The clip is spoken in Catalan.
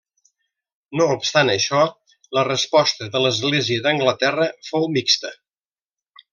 No obstant això, la resposta de l'Església d'Anglaterra fou mixta.